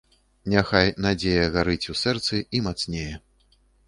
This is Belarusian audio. Няхай надзея гарыць у сэрцы і мацнее